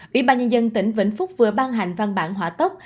bị bà nhân dân tỉnh vĩnh phúc vừa ban hành văn bản hỏa tốc